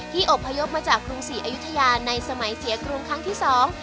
อบพยพมาจากกรุงศรีอยุธยาในสมัยเสียกรุงครั้งที่สอง